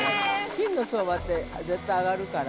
金の相場って絶対上がるから。